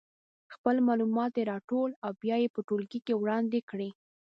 خپل معلومات دې راټول او بیا یې په ټولګي کې وړاندې کړي.